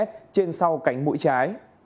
trên sau cánh mũi trái